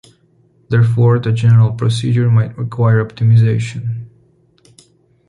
Therefore, the general procedure might require optimization.